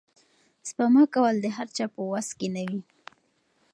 سپما کول د هر چا په وس کې نه وي.